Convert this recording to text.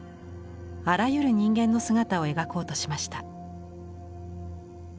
あらゆる人間の姿を描こうとしました。